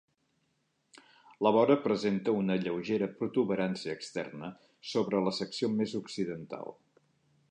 La vora presenta una lleugera protuberància externa, sobre la secció més occidental.